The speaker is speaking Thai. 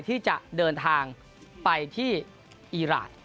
ที่จะเดินทางไปที่อีราน